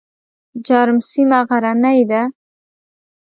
جرم سیمه غرنۍ ده؟